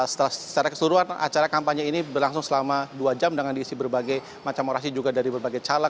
secara keseluruhan acara kampanye ini berlangsung selama dua jam dengan diisi berbagai macam orasi juga dari berbagai caleg